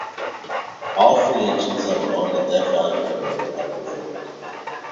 All three engines that were on the Death Valley Railroad are preserved.